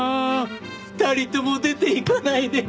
２人とも出ていかないで。